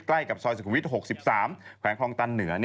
ใกล้กับซอยสุขุมวิทย์๖๓แขวงคลองตันเหนือ